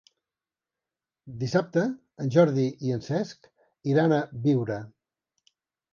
Dissabte en Jordi i en Cesc iran a Biure.